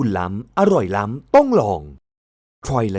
จะเอาอย่างนี้